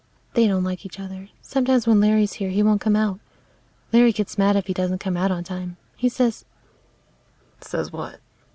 "They don't like each other. Sometimes when Larry's here he won't come out. Larry gets mad if he doesn't come out on time. He says " "Says what?"